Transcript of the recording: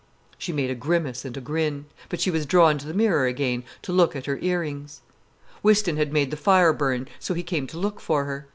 She made a grimace and a grin. But she was drawn to the mirror again, to look at her ear rings. Whiston had made the fire burn, so he came to look for her.